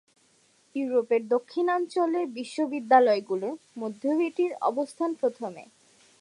ইউরোপের দক্ষিণাঞ্চলের বিশ্ববিদ্যালয়গুলোর মধ্যেও এটির অবস্থান প্রথমে।